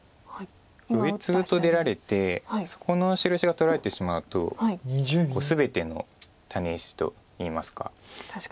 上ツグと出られてそこの白石が取られてしまうと全てのタネ石といいますか。